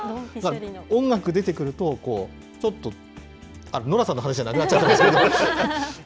音楽出てくると、ちょっと、あっ、ノラさんの話じゃなくなっちゃいましたけど。